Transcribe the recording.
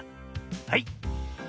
はい。